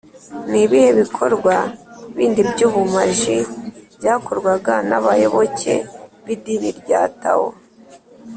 ni ibihe bikorwa bindi by’ubumaji byakorwaga n’abayoboke b’idini rya tao?